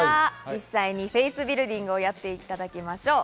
実際にフェイスビルディングをやっていただきましょう。